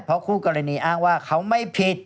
เพราะคู่กรณีอ้างว่าเขาไม่ผิด